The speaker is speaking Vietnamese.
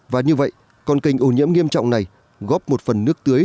và như vậy con kênh ô nhiễm nghiêm trọng này góp một phần nước tưới